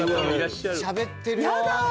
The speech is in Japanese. しゃべってるよー。